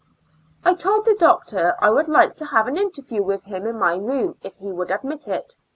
I told the doctor I would like to have an interview with him in my room if he would admit it.